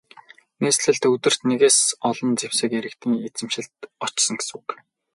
Нийслэлд өдөрт нэгээс олон зэвсэг иргэдийн эзэмшилд очсон гэсэн үг.